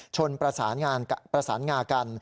ชนประสานงากัน